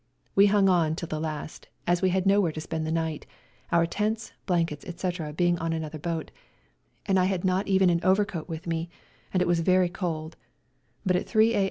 We hung on till the last, as we had nowhere to spend the night, our tents, blankets, etc., being on another boat, and I had not even an overcoat with me and it was very cold, but at 3 a.